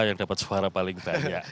yang dapat suara paling banyak